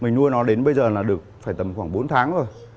mình nuôi nó đến bây giờ là được phải tầm khoảng bốn tháng rồi